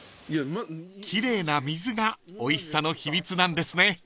［奇麗な水がおいしさの秘密なんですね］